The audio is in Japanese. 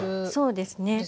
そうですね。